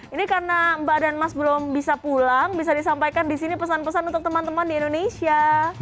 ini karena mbak dan mas belum bisa pulang bisa disampaikan di sini pesan pesan untuk teman teman di indonesia